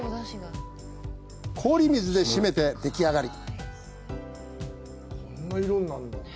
氷水で締めて、でき上り。